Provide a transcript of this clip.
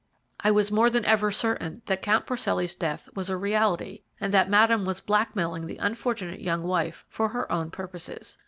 I was more than ever certain that Count Porcelli's death was a reality, and that Madame was blackmailing the unfortunate young wife for her own purposes.